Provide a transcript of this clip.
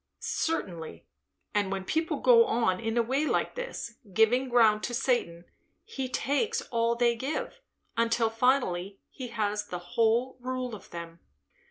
"Certainly. And when people go on in a way like this, giving ground to Satan, he takes all they give, until finally he has the whole rule of them.